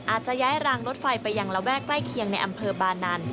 อาจจะย้ายรางรถไฟไปยังระแวกใกล้เคียงในอำเภอบานัน